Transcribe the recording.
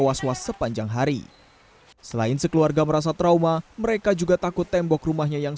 was was sepanjang hari selain sekeluarga merasa trauma mereka juga takut tembok rumahnya yang